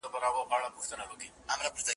یو په یو یې ور حساب کړله ظلمونه